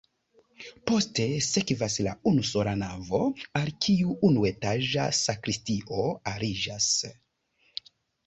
Poste sekvas la unusola navo, al kiu unuetaĝa sakristio aliĝas.